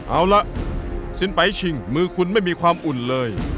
เอาล่ะสินไปชิงมือคุณไม่มีความอุ่นเลย